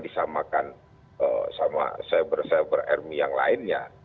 kita tidak bisa disamakan sama cyber army yang lainnya